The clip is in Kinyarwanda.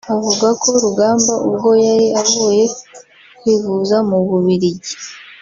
avuga ko Rugamba ubwo yari avuye kwivuza mu Bubiligi